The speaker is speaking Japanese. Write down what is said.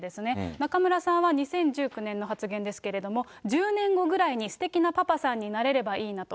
中村さんは２０１９年の発言ですけれども、１０年後ぐらいに、すてきなパパさんになれればいいなと。